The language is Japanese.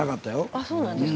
あそうなんですか。